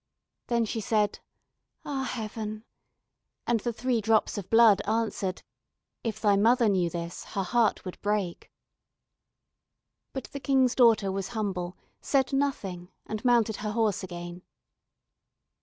Then she said, "Ah, Heaven!" and the three drops of blood answered: "If thy mother knew this, her heart would break." But the King's daughter was humble, said nothing, and mounted her horse again.